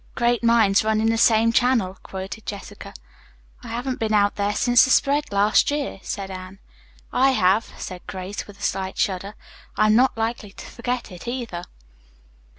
"'Great minds run in the same channel,'" quoted Jessica. "I haven't been out there since the spread last year," said Anne. "I have," said Grace, with a slight shudder. "I am not likely to forget it, either."